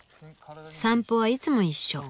散歩はいつも一緒。